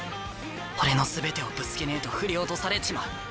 俺の全てをぶつけねえと振り落とされちまう。